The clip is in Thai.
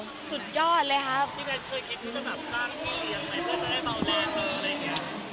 พี่แมนคือคิดว่าจะจ้างพี่เลี้ยงไปเพื่อจะให้เราเลี้ยงเงินอะไรอย่างนี้